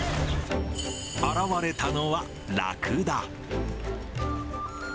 現れたのはラクダ。